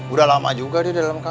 udah lama juga dia dalam keadaan